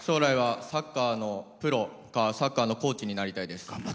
サッカーのプロかサッカーのコーチになりたいです。